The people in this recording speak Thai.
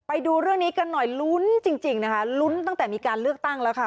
ไปดูเรื่องนี้กันหน่อยลุ้นจริงจริงนะคะลุ้นตั้งแต่มีการเลือกตั้งแล้วค่ะ